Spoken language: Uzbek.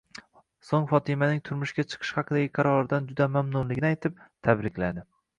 So'ng Fotimaning turmushga chiqish haqidagi qaroridan juda mamnunligini aytib, tabrikladi.